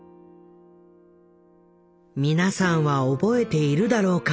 皆さんは覚えているだろうか？